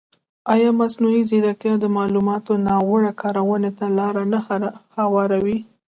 ایا مصنوعي ځیرکتیا د معلوماتو ناوړه کارونې ته لاره نه هواروي؟